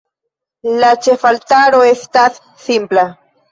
La ĉefaltaro estas simpla.